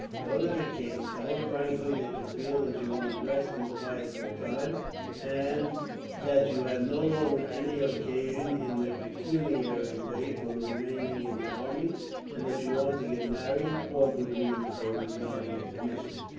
Go to the king, tell him frankly that you feel that you want rest and quiet for a time, that you have no longer any occasion in the pecuniary way for remaining in the army, and that you want to get married all good reasons for resigning a commission.